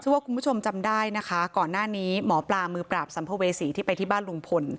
ว่าคุณผู้ชมจำได้นะคะก่อนหน้านี้หมอปลามือปราบสัมภเวษีที่ไปที่บ้านลุงพล